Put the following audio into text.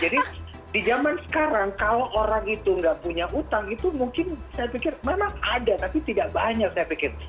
jadi di zaman sekarang kalau orang itu nggak punya utang itu mungkin saya pikir memang ada tapi tidak banyak saya pikir